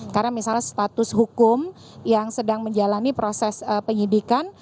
karena misalnya status hukum yang sedang menjalani proses penyidikan